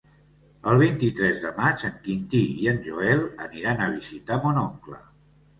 El vint-i-tres de maig en Quintí i en Joel aniran a visitar mon oncle.